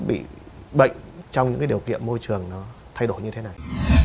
bị bệnh trong những điều kiện môi trường nó thay đổi như thế này